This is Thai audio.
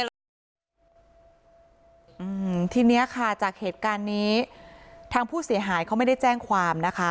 อืมทีเนี้ยค่ะจากเหตุการณ์นี้ทางผู้เสียหายเขาไม่ได้แจ้งความนะคะ